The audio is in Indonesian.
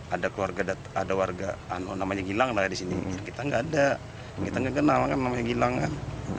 ada keluarga ada warga gilang lah ya di sini kita nggak ada kita nggak kenal kan namanya gilang kan